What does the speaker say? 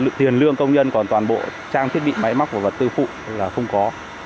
tiền lương công nhân còn toàn bộ trang thiết bị máy móc và vật tư phụ là không có